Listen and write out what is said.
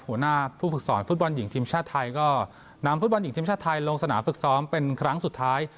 หัวหน้าผู้ฝึกสอนฟุตบอลหญิงทีมชาติไทยก็นำฟุตบอลหญิงทีมชาติไทยลงสนามฝึกซ้อมเป็นครั้งสุดท้าย